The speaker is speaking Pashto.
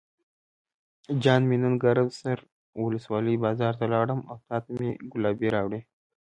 جان مې نن ګرم سر ولسوالۍ بازار ته لاړم او تاته مې ګلابي راوړې.